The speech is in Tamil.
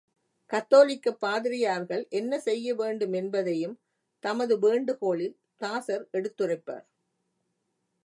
கத்தோலிக்கப் பாதிரியார்கள் என்ன செய்ய வேண்டுமென்பதையும் தமது வேண்டுகோளில் தாசர் எடுத்துரைப்பார்.